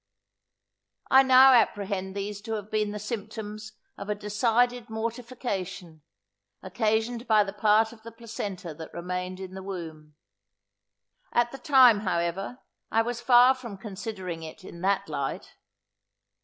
I now apprehend these to have been the symptoms of a decided mortification, occasioned by the part of the placenta that remained in the womb. At the time however I was far from considering it in that light.